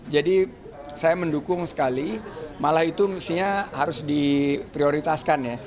jadi saya mendukung sekali malah itu harus diprioritaskan